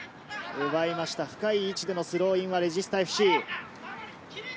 深い位置でのスローインはレジスタＦＣ。